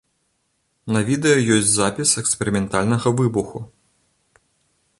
На відэа ёсць запіс эксперыментальнага выбуху.